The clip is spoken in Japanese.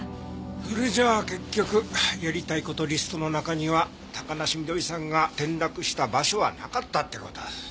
それじゃあ結局やりたいことリストの中には高梨翠さんが転落した場所はなかったって事？